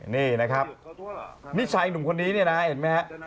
นี่นะครับนี่ชายหนุ่มคนนี้เนี่ยนะเห็นไหมฮะ